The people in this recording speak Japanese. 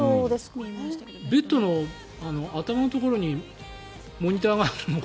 ベッドの頭のところにモニターがあるの？